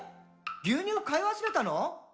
牛乳買い忘れたの？」